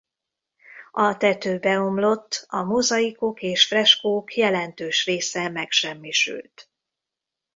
A tető beomlott a mozaikok és freskók jelentős része megsemmisült.